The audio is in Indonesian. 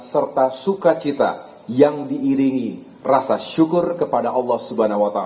serta sukacita yang diiringi rasa syukur kepada allah swt